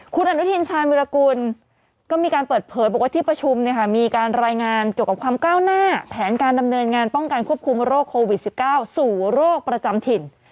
คุณอนุทินชาญวิรากุลก็มีการเปิดเผยบอกว่าที่ประชุมมีการรายงานเกี่ยวกับความก้าวหน้าแผนการดำเนินงานป้องกันควบคุมโรคโควิด๑๙สู่โรคประจำถิ่น